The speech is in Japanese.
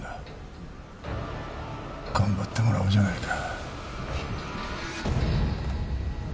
頑張ってもらおうじゃないか。